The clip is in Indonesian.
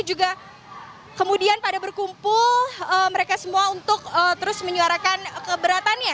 juga kemudian pada berkumpul mereka semua untuk terus menyuarakan keberatannya